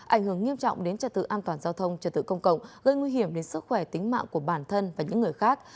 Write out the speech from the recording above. ảnh hưởng nghiêm trọng đến trật tự an toàn giao thông trật tự công cộng gây nguy hiểm đến sức khỏe tính mạng của bản thân và những người khác